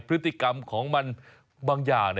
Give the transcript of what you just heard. พฤติกรรมของมันบางอย่าง